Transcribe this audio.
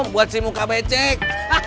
buat si muka becek